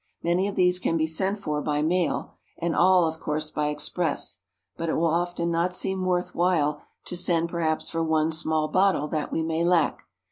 Many of these can be sent for by mail, and all, of course, by express; but it will often not seem worth while to send perhaps for one small bottle that we may lack.